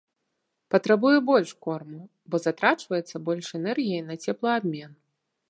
Патрабуе больш корму, бо затрачваецца больш энергіі на цеплаабмен.